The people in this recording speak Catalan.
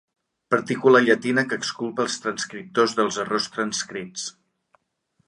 Partícula llatina que exculpa els transcriptors dels errors transcrits.